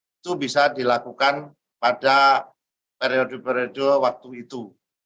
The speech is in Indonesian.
itu bisa dilakukan pada periode periode waktu itu